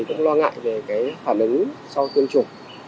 cũng lo ngại về cái phản ứng sau tiêm chủng